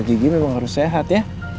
gigi memang harus sehat ya